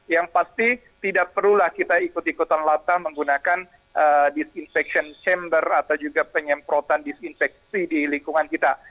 yang pasti tidak perlulah kita ikut ikutan latar menggunakan disinfection chamber atau juga penyemprotan disinfeksi di lingkungan kita